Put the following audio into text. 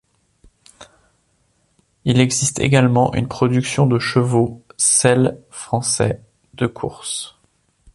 Il existe également une production de chevaux selle français de courses.